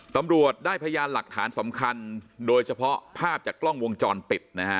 ตำรวจได้พยานหลักฐานสำคัญโดยเฉพาะภาพจากกล้องวงจรปิดนะฮะ